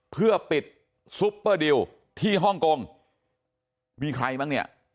เพื่อปิดซุปเปอร์ดิวที่ฮ่องกงมีใครบ้างเนี่ย